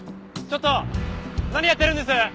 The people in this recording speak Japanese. ちょっと何やってるんです？